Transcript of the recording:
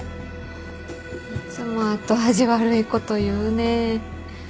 いつも後味悪いこと言うね。